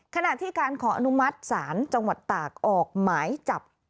ขณะที่การขออนุมัติศาลจังหวัดตากออกหมายจับ